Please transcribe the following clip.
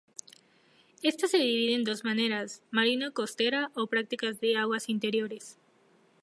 Esta se divide en dos maneras marino-costera o práctica de aguas interiores.